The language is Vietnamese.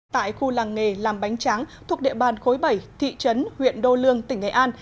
tại khu làng nghề làm bánh tráng thuộc địa bàn khối bảy thị trấn huyện đô lương tỉnh nghệ an